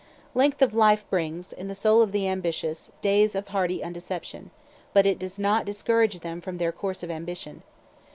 Length of life brings, in the soul of the ambitious, days of hearty undeception; but it does not discourage them from their course of ambition.